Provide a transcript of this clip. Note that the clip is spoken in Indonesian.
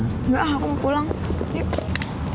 enggak aku mau pulang